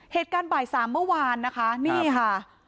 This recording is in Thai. เหตุการณ์ใบ้สามเมื่อวานนะคะ